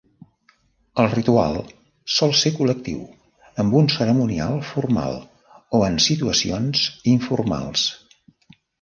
El ritual sol ser col·lectiu, amb un cerimonial formal o en situacions informals.